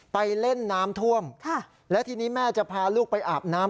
ไปเล่นน้ำท่วมและทีนี้แม่จะพาลูกไปอาบน้ำ